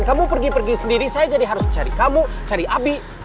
kamu pergi pergi sendiri saya jadi harus cari kamu cari abi